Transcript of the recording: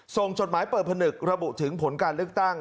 จดหมายเปิดผนึกระบุถึงผลการเลือกตั้ง